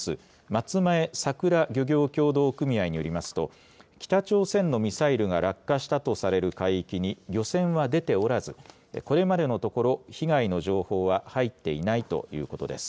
松前さくら漁業協同組合によりますと北朝鮮のミサイルが落下したとされる海域に漁船は出ておらずこれまでのところ被害の情報は入っていないということです。